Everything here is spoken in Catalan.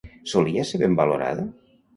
Solia ser ben valorada?